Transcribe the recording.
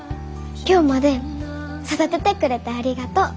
今日まで育ててくれてありがとう。